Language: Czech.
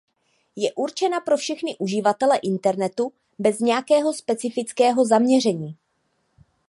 Je určena pro všechny uživatele internetu bez nějakého specifického zaměření.